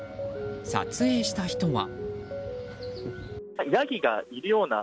撮影した人は。